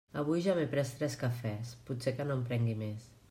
Avui ja m'he pres tres cafès, potser que no en prengui més.